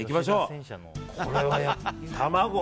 これは卵。